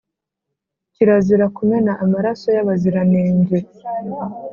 kirazira kumena amaraso y’abaziranenge